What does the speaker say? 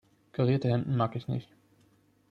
Karierte Hemden mag ich nicht.